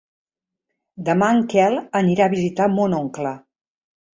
Demà en Quel anirà a visitar mon oncle.